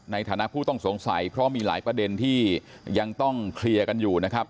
ในฐานะผู้ต้องสงสัยเพราะมีหลายประเด็นที่ยังต้องเคลียร์กันอยู่นะครับ